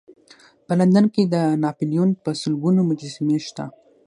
په لندن کې د ناپلیون په سلګونو مجسمې شته.